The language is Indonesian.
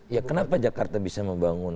ya kenapa jakarta bisa membangun